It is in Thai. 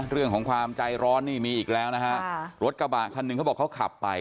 เรื่องของความใจร้อนนี่มีอีกแล้วนะฮะรถกระบะคันหนึ่งเขาบอกเขาขับไป